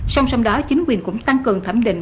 song song đó chính quyền cũng tăng cường thẩm định